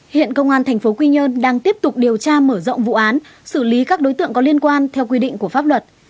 hiện công an tp quy nhơn đang tiếp tục điều tra mở rộng vụ án xử lý các đối tượng có liên quan theo quy định của pháp luật